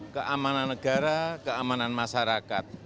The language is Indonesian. keamanan negara keamanan masyarakat